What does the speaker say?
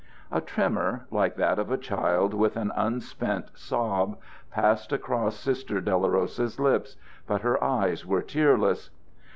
A tremor, like that of a child with an unspent sob, passed across Sister Dolorosa's lips, but her eyes were tearless.